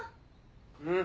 うん。